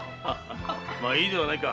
いいではないか。